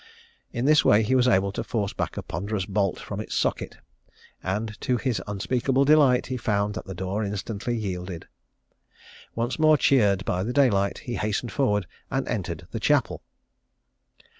In this way he was able to force back a ponderous bolt from its socket; and to his unspeakable delight, found that the door instantly yielded. Once more cheered by daylight, he hastened forward and entered the Chapel.